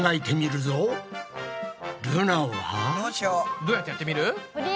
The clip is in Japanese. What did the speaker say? どうやってやってみる？